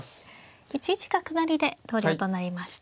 １一角成で投了となりました。